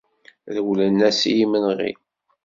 Rewlen ass n yimenɣi.